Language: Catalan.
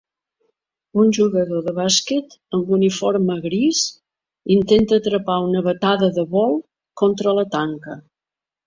Un jugador de bàsquet amb uniforme gris intenta atrapar una batada de vol contra la tanca.